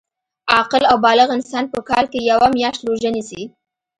عاقل او بالغ انسان په کال کي یوه میاشت روژه نیسي